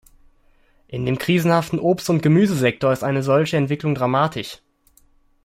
In dem krisenhaften Obstund Gemüsesektor ist eine solche Entwicklung dramatisch.